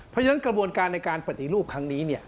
เพราะฉะนั้นกระบวนการในการปฏิรูปครั้งนี้